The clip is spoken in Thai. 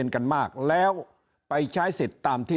ยิ่งอาจจะมีคนเกณฑ์ไปลงเลือกตั้งล่วงหน้ากันเยอะไปหมดแบบนี้